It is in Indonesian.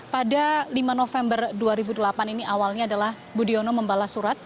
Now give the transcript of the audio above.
pada lima november dua ribu delapan ini awalnya adalah budiono membalas surat